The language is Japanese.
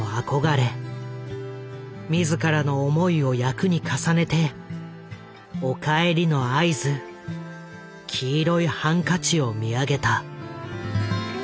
自らの思いを役に重ねて「お帰り」の合図黄色いハンカチを見上げた。